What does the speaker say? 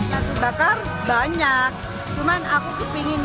nasi bakar banyak cuman aku tuh ingin yang beda kan